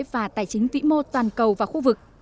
và tài chính vĩ mô toàn cầu và khu vực